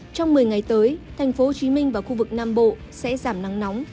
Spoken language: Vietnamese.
trong một mươi ngày tới thành phố hồ chí minh và khu vực nam bộ sẽ giảm nắng nóng